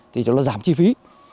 thì cho nó giảm chi phí